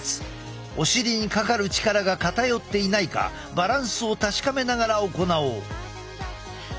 お尻にかかる力が偏っていないかバランスを確かめながら行おう。